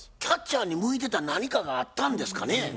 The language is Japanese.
キャッチャーに向いてた何かがあったんですかね？